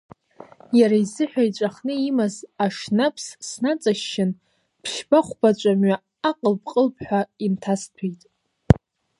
Иара изыҳәа иҵәахны имаз ашнаԥс снаҵашьшьын ԥшьбахәба ҿамҩа аҟылԥ-аҟылԥ ҳәа инҭасҭәеит.